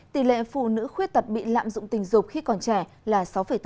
tỷ lệ phụ nữ khuyết tật bị lạm dụng tình dục khi còn trẻ là sáu mươi hai